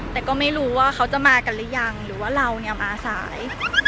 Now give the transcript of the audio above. แต่ก็ไม่รู้ว่าเขาจะมากันหรือยังหรือว่าเราเนี่ยมาสาย